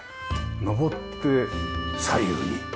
上って左右にねっ。